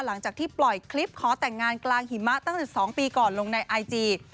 หลังจากที่ปล่อยคลิปขอแต่งงานกลางหิมะตั้งแต่๒ปีก่อนลงในไอจี